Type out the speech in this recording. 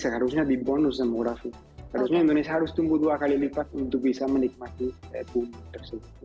harusnya di bonus demografi harusnya indonesia harus tumbuh dua kali lipat untuk bisa menikmati boom tersebut